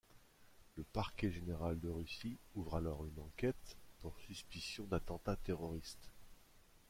Le parquet général de Russie ouvre alors une enquête pour suspicion d'attentat terroriste.